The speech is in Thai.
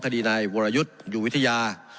คดีในวรยุทธ์อยู่วิทยา